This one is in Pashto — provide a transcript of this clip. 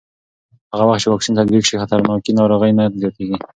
هغه وخت چې واکسین تطبیق شي، خطرناک ناروغۍ نه زیاتېږي.